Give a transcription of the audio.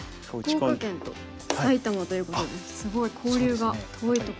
福岡県と埼玉ということですごい交流が遠いとこですね。